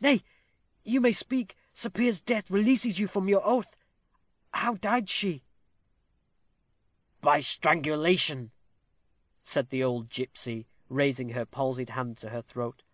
Nay, you may speak. Sir Piers's death releases you from your oath. How died she?" "By strangulation," said the old gipsy, raising her palsied hand to her throat.